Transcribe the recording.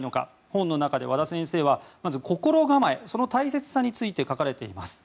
本の中で和田先生はまず心構えの大切さについて書かれています。